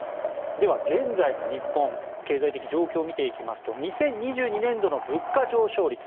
では現在の日本経済的状況を見ていきますと２０２２年度の物価上昇率